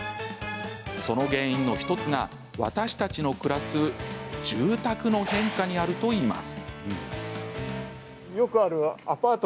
その原因の１つが私たちの暮らす住宅の変化にあるといいます。